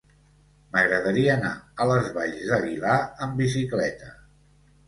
M'agradaria anar a les Valls d'Aguilar amb bicicleta.